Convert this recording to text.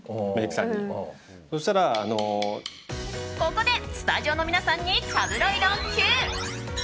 ここでスタジオの皆さんにタブロイドＱ！